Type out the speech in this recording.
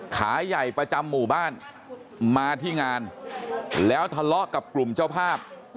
ขาใหญ่ประจำหมู่บ้านมาที่งานแล้วทะเลาะกับกลุ่มเจ้าภาพ